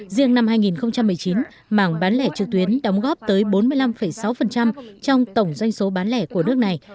riêng năm hai nghìn một mươi chín mảng bán lẻ trừ tuyến đóng góp tới bốn mươi năm sáu trong tổng doanh số bán lẻ của nước này